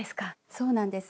そうなんです。